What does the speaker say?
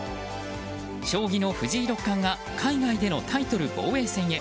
将棋の藤井六冠が海外でのタイトル防衛戦へ。